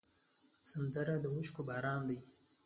سندره د اوښکو باران ده